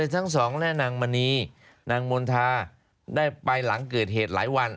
ทั้งสองและนางมณีนางมณฑาได้ไปหลังเกิดเหตุหลายวัน